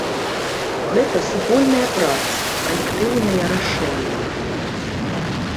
Гэта супольная праца, калектыўнае рашэнне.